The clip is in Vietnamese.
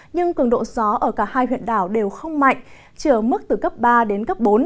nhưng cường độ gió ở cả hai huyện đảo đều không mạnh chỉ ở mức từ cấp ba đến cấp bốn